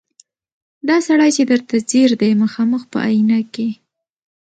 دا سړی چي درته ځیر دی مخامخ په آیینه کي